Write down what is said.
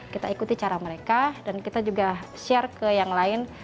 kita ikuti cara mereka dan kita juga share ke yang lain